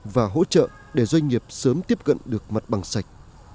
và hỗ trợ để doanh nghiệp sớm tiếp cận được mặt bằng sạch